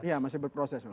iya masih berproses memang